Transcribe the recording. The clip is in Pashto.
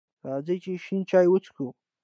راځئ چې شین چای وڅښو!